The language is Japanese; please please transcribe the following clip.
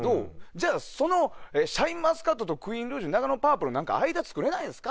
じゃあシャインマスカットとクイーンルージュナガノパープルの間作れないんですか？